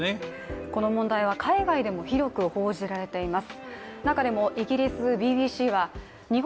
この問題は海外でも広く報じられています。